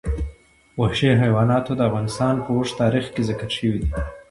وحشي حیوانات د افغانستان په اوږده تاریخ کې ذکر شوی دی.